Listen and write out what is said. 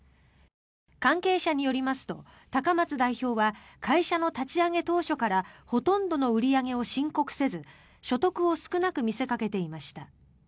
関係者によりますと高松代表は会社の立ち上げ当初からほとんどの売り上げを申告せず所得を少なく見せかけていました。